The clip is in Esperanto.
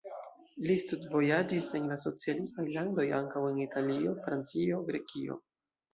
Li studvojaĝis en la socialismaj landoj, ankaŭ en Italio, Francio, Grekio.